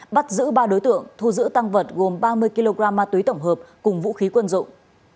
bắt giữ ba đối tượng thu giữ tăng vật gồm ba mươi kg ma túy tổng hợp cùng vũ khí quân dụng